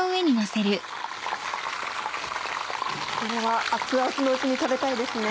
これは熱々のうちに食べたいですね。